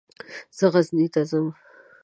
زه غزني ته ځم.